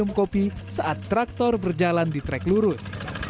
dan minum kopi saat traktor berjalan di trek lurus